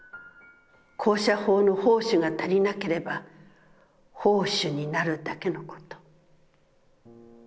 高射砲の砲手が足りなければ砲手になるだけのこと」。